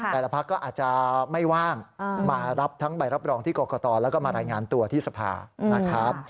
แต่ละพักก็อาจจะไม่ว่างมารับทั้งใบรับรองที่กรกตแล้วก็มารายงานตัวที่สภานะครับ